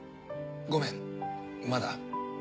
ごめんまだ。